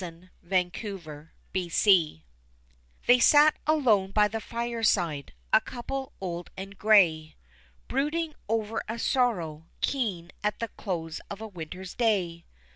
] The Prodigal They sat alone by the fireside, a couple old and gray, Brooding over a sorrow keen at the close of a winter's day.